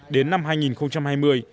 đến năm hai nghìn hai mươi